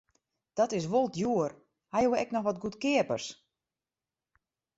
Dit is wol djoer, ha jo ek noch wat goedkeapers?